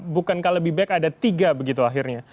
bukankah lebih baik ada tiga begitu akhirnya